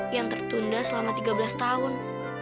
yang tertunda selama tiga belas tahun